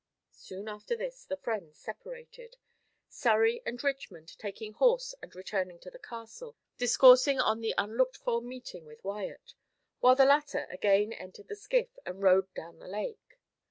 Soon after this, the friends separated, Surrey and Richmond taking horse and returning to the castle, discoursing on the unlooked for meeting with Wyat, while the latter again entered the skiff, and rowed down the lake.